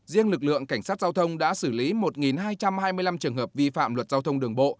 riêng lực lượng cảnh sát giao thông đã xử lý một hai trăm hai mươi năm trường hợp vi phạm luật giao thông đường bộ